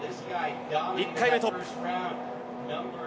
１回目でトップ。